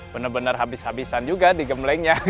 benar benar habis habisan juga di gemlengnya